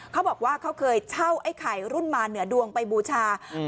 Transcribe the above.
เขาบอกว่าเขาเคยเช่าไอ้ไข่รุ่นมาเหนือดวงไปบูชาอืม